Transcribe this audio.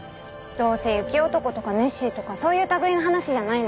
どうせ雪男とかネッシーとかそういう類いの話じゃないの？